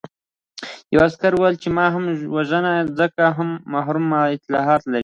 یوه عسکر وویل چې مه یې وژنه ځکه محرم اطلاعات لري